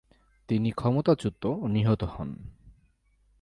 তিনি ক্ষমতাচ্যুত ও নিহত হন।